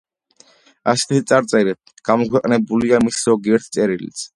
ასეთი წარწერით გამოქვეყნებულია მისი ზოგიერთი წერილიც.